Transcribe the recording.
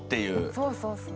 そうそうそう。